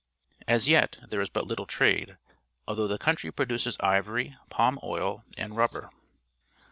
As yet there is but Httle trade, although the country produces ivory, palm oil, and rubber.